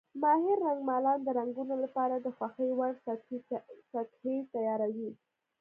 ماهر رنګمالان د رنګونو لپاره د خوښې وړ سطحې تیاروي.